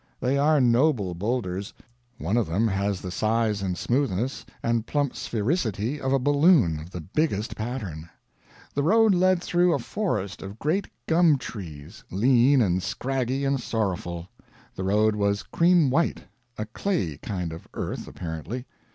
They are noble boulders. One of them has the size and smoothness and plump sphericity of a balloon of the biggest pattern. The road led through a forest of great gum trees, lean and scraggy and sorrowful. The road was cream white a clayey kind of earth, apparently.